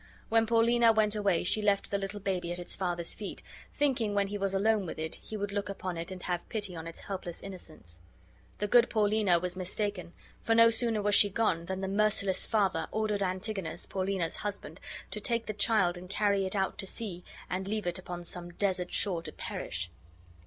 When Paulina went away she left the little baby at its father's feet, thinking when he was alone with it he would look upon it and have pity on its helpless innocence. The good Paulina was mistaken, for no sooner was she gone than the merciless father ordered Antigonus, Paulina's husband, to take the child and carry it out to sea and leave it upon some desert shore to perish.